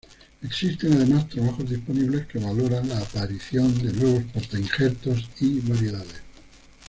Existen además trabajos disponibles que valoran la aparición de nuevos portainjertos y variedades.